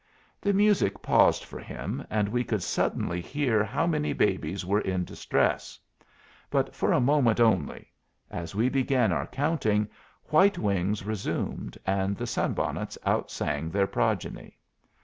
The music paused for him, and we could suddenly hear how many babies were in distress; but for a moment only; as we began our counting, "White Wings" resumed, and the sun bonnets outsang their progeny.